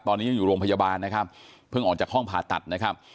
ตอนนี้ยังอยู่โรงพยาบาลนะครับเพิ่งออกจากห้องผ่าตัดนะครับ